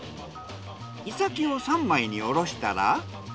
イサキを３枚におろしたら。